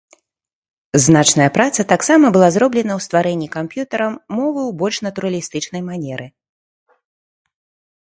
Значная праца таксама была зроблена ў стварэнні камп'ютарам мовы ў больш натуралістычнай манеры.